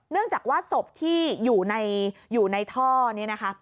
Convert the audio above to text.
เนื่องจากว่าศพที่อยู่ในท่อนี้นะคะ